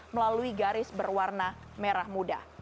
melalui garis berwarna merah muda